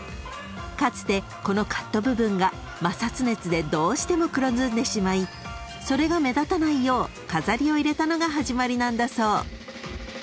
［かつてこのカット部分が摩擦熱でどうしても黒ずんでしまいそれが目立たないよう飾りを入れたのが始まりなんだそう］